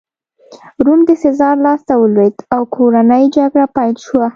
روم د سزار لاسته ولوېد او کورنۍ جګړه پیل شوه